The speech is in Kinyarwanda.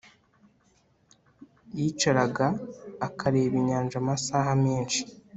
Yicaraga akareba inyanja amasaha menshi